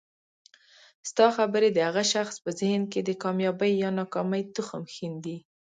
ستا خبري د هغه شخص په ذهن کي د کامیابۍ یا ناکامۍ تخم ښیندي